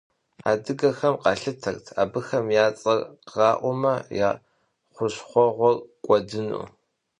Адыгэхэм къалъытэрт абыхэм я цӏэр къраӏуэмэ, я хущхъуэгъуэр кӏуэдыну.